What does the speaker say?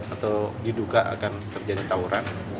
atau diduga akan terjadi tawuran